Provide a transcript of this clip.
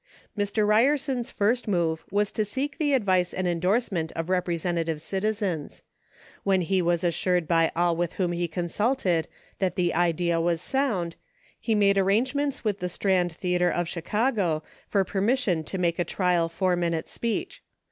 Mr. Ryerson's first move was to seek the advice and endorsement of representative citizens. When he was assured by all with whom he consulted that the idea was sound, he made arrangements with the Strand Theatre of Chicago, for permission to make a trial four minute speech.